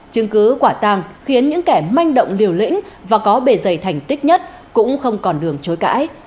chứng cứ quả tàng khiến những kẻ manh động liều lĩnh và có bề dày thành tích nhất cũng không còn đường chối cãi